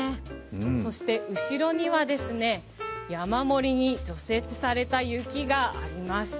そして後ろには、山盛りに除雪された雪があります。